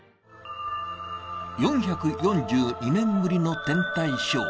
４４２年ぶりの天体ショー。